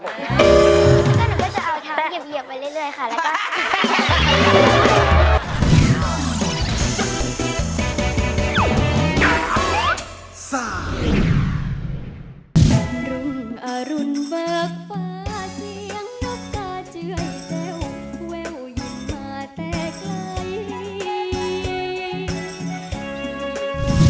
นี่ก็หนูก็จะเอาเท้าเหยียบไปเรื่อยค่ะแล้วก็